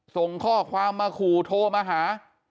ส่งข้อความมาขู่โทรมาหา